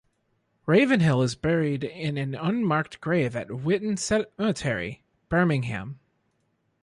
Ravenhill is buried in an unmarked grave at Witton Cemetery, Birmingham.